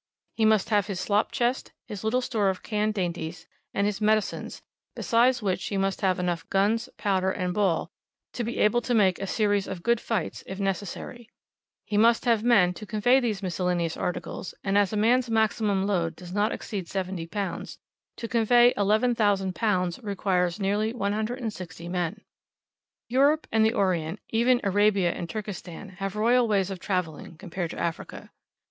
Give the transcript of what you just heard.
He must have his slop chest, his little store of canned dainties, and his medicines, besides which, he must have enough guns, powder, and ball to be able to make a series of good fights if necessary. He must have men to convey these miscellaneous articles; and as a man's maximum load does not exceed 70 lbs., to convey 11,000 lbs. requires nearly 160 men. Europe and the Orient, even Arabia and Turkestan, have royal ways of travelling compared to Africa.